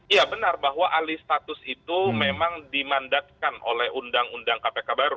ya benar bahwa alih status itu memang dimandatkan oleh undang undang kpk baru